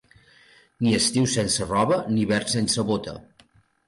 Ni estiu sense roba, ni hivern sense bota.